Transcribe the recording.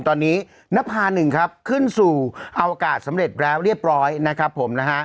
ตอนนี้นภาหนึ่งครับขึ้นสู่อวกาศสำเร็จแล้วเรียบร้อยนะครับผมนะฮะ